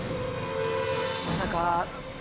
まさか。